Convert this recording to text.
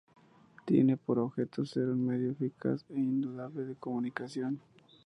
Tiene por objeto ser un medio eficaz e indudable de comunicación.